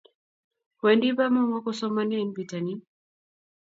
Wendi bamongo kosomani en pitanin